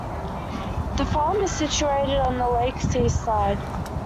The farm is situated on the lake's east side.